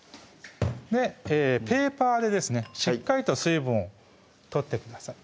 ペーパーでですねしっかりと水分を取ってください